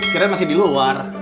kiranya masih di luar